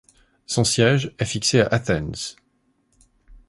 Son siège est fixé à Athens.